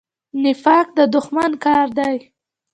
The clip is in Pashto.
نفاق د دښمن کار دی